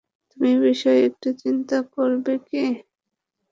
তুমি এ বিষয়ে একটু চিন্তা করবে কি?